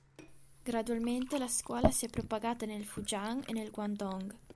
Gradualmente la scuola si è propagata nel Fujian e nel Guangdong.